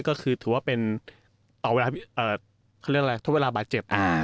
ก็คือถือว่าเป็นเวลาเขาเรียกอะไรทุกเวลาบาดเจ็บ